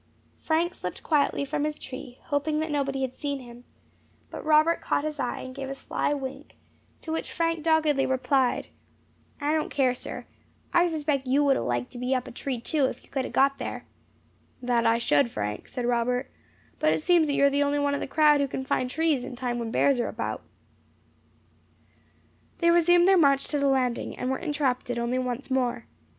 Frank slipped quietly from his tree, hoping that nobody had seen him; but Robert caught his eye, and gave a sly wink, to which Frank doggedly replied, "I don't care, sir. I suspect you would like to have been up a tree too, if you could have got there." "That I should, Frank," said Robert; "but it seems that you are the only one of the crowd who can find trees in time when bears are about." They resumed their march to the landing, and were interrupted only once more.